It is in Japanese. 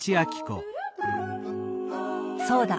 そうだ！